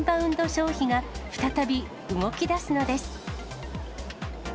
消費が再び動きだすのです。